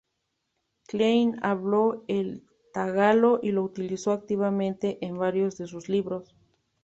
Klein habló el tagalo y lo utilizó activamente en varios de sus libros.